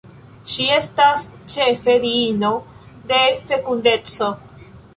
Ŝi estas ĉefe diino de fekundeco.